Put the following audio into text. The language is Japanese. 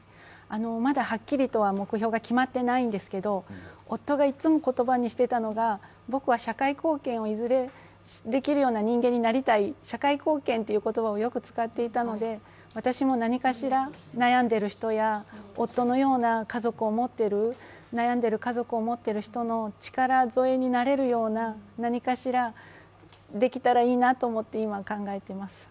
まだはっきりとは目標が決まっていないんですけど夫がいつも言葉にしていたのが僕は社会貢献をいずれできるような人間になりたい社会貢献という言葉をよく使っていたので、私も何かしら悩んでいる人や夫のような家族を持っている、悩んでいる家族を持っている人の力添えになれるような何かしらできたらいいなと思って、今、考えています。